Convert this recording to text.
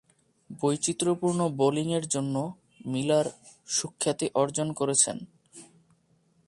বৈচিত্রপূর্ণ বোলিংয়ের জন্যও মিলার সুখ্যাতি অর্জন করেছেন।